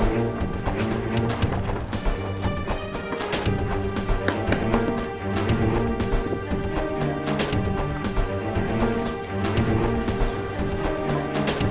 tasik tasik tasik